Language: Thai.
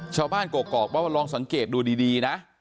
ชาวบ้านกรอกว่าลองสังเกตดูดีนะ